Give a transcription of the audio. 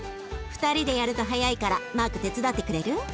２人でやると早いからマーク手伝ってくれる？